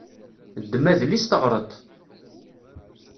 Ddem adlis, teɣreḍ-t!